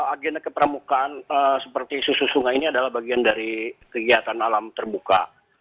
agenda kepramukaan seperti susu sungai ini adalah bagian dari kegiatan alam terbuka